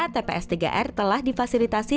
tpf s tiga r telah difasilitasi